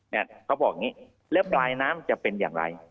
เขาบอกอย่างนี้แล้วปลายน้ำจะเป็นอย่างไร